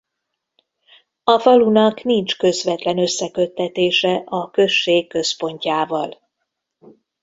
A falunak nincs közvetlen összeköttetése a község központjával.